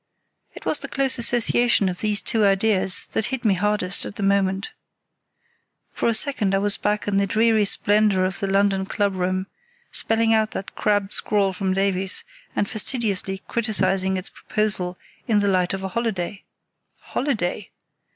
It was the close association of these two ideas that hit me hardest at the moment. For a second I was back in the dreary splendour of the London club room, spelling out that crabbed scrawl from Davies, and fastidiously criticising its proposal in the light of a holiday. Holiday!